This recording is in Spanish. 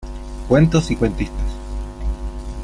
Cuentos y cuentistas.